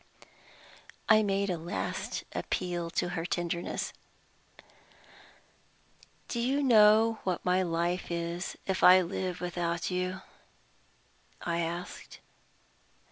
I made a last appeal to her tenderness. "Do you know what my life is if I live without you?" I asked.